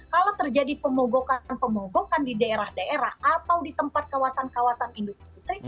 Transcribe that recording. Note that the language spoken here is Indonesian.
kalau terjadi pemogokan pemogokan di daerah daerah atau di tempat kawasan kawasan industri